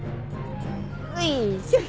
よいしょ！